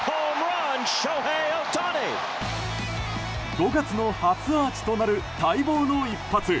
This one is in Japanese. ５月の初アーチとなる待望の一発！